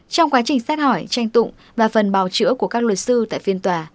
trong quá trình xét hỏi tranh tụng và phần bào chữa của các luật sư tại phiên tòa